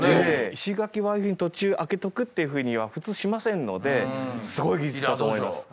石垣はああいうふうに途中あけとくっていうふうには普通しませんのですごい技術だと思います。